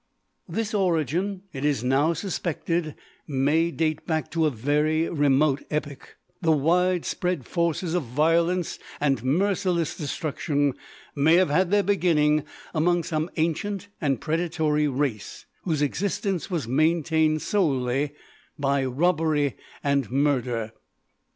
This origin, it is now suspected, may date back to a very remote epoch; the wide spread forces of violence and merciless destruction may have had their beginning among some ancient and predatory race whose existence was maintained solely by robbery and murder.